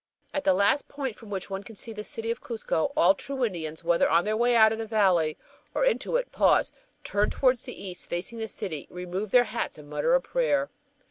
At the last point from which one can see the city of Cuzco, all true Indians, whether on their way out of the valley or into it, pause, turn toward the east, facing the city, remove their hats and mutter a prayer.